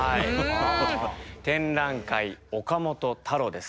「展覧会岡本太郎」です。